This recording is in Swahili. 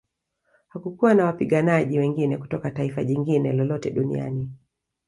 Hakukuwa na wapiganaji wengine kutoka taifa jingine lolote duniani